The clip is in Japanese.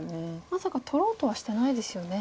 まさか取ろうとはしてないですよね。